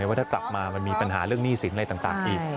ว่าถ้ากลับมามันมีปัญหาเรื่องหนี้สินอะไรต่างอีก